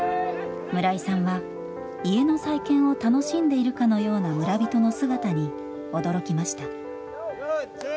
村井さんは家の再建を楽しんでいるかのような村人の姿に驚きました。